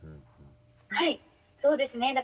はいそうですね。